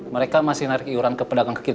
mereka masih narik iuran ke pedagang k lima